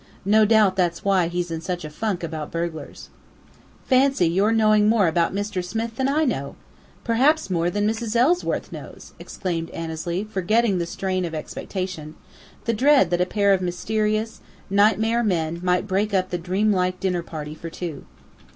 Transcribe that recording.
No doubt that's why he's in such a funk about burglars." "Fancy your knowing more about Mr. Smith than I know! Perhaps more than Mrs. Ellsworth knows!" exclaimed Annesley, forgetting the strain of expectation the dread that a pair of mysterious, nightmare men might break up the dreamlike dinner party for two.